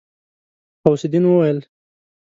غوث الدين وويل.